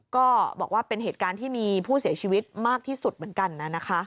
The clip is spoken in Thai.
ก็บอกว่าเป็นเหตุการณ์ที่มีผู้เสียชีวิตมากที่สุดเหมือนกัน